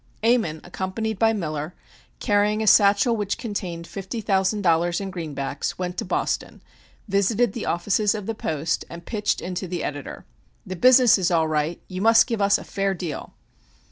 Ammon, accompanied by Miller, carrying a satchel which contained fifty thousand dollars in greenbacks, went to Boston, visited the offices of the Post, and pitched into the editor. "The business is all right; you must give us a fair deal!"